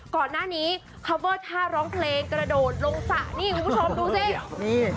ก่อนหน้านี้คอเวอร์ท่าร้องเพลงกระโดดลงสระนี่คุณผู้ชมดูสินี่